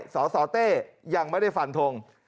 สสเต้ยังไม่ได้ฟันทง